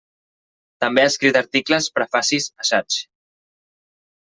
També ha escrit articles, prefacis, assaigs.